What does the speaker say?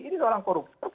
ini seorang koruptor